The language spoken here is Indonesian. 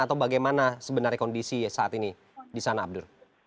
atau bagaimana sebenarnya kondisi saat ini di sana abdur